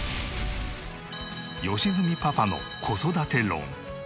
良純パパの子育て論。